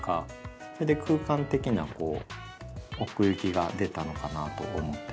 それで空間的な奥行きが出たのかなと思ってます。